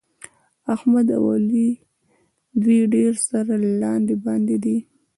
احمد او علي دوی ډېر سره لاندې باندې دي.